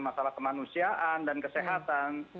masalah kemanusiaan dan kesehatan